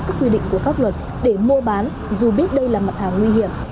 các quy định của pháp luật để mua bán dù biết đây là mặt hàng nguy hiểm